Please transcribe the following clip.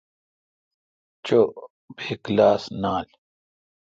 چو بے کلاس نال۔